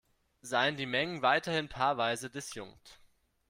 Seien die Mengen weiterhin paarweise disjunkt.